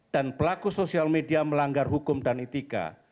dan pelaku sosial media melanggar hukum dan itika